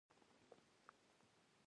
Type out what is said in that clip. هیلۍ له طبیعي خطرونو ځان ساتي